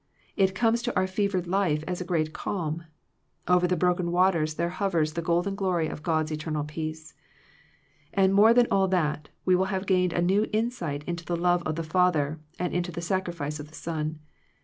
It comes to our fevered life as a great calm. Over the broken waters there hovers the golden glory of God's eternal peace. And more even than all that, we will have gained a new insight into the love of the Father, and into the sacrifice of the Son.